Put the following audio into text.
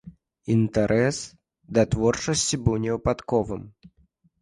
Інтарэс да творчасці быў не выпадковым.